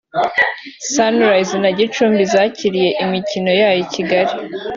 Sunrise na Gicumbi zakirire imikino yayo i Kigali